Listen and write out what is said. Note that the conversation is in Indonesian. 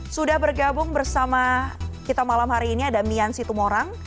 sudah bergabung bersama kita malam hari ini ada mian situmorang